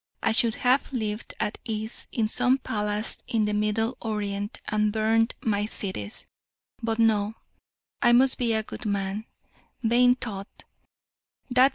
I should have lived at ease in some palace of the Middle Orient, and burned my cities: but no, I must be 'a good man' vain thought.